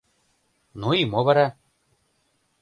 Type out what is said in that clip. — Ну и мо вара.